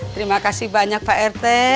terima kasih banyak pak rt